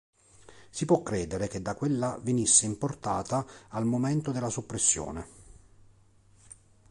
Si può credere che da quella venisse importata al momento della soppressione.